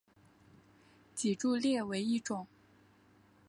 脊柱裂为一种。